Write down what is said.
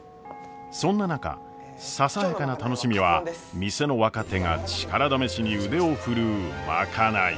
そんな中ささやかな楽しみは店の若手が力試しに腕を振るう賄い。